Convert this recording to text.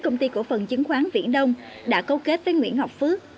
công ty cổ phần chứng khoán viễn đông đã cấu kết với nguyễn ngọc phước